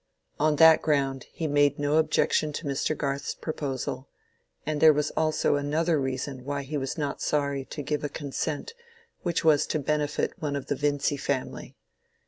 On that ground he made no objection to Mr. Garth's proposal; and there was also another reason why he was not sorry to give a consent which was to benefit one of the Vincy family.